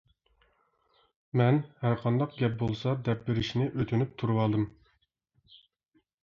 مەن ھەر قانداق گەپ بولسا دەپ بېرىشنى ئۆتۈنۈپ تۇرۇۋالدىم.